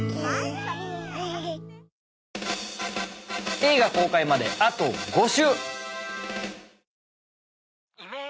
映画公開まであと５週！